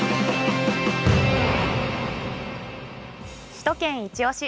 「首都圏いちオシ！」